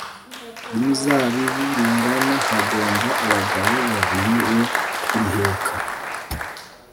ry umuzabibu ringana Hagomba abagabo babiri bo kuriheka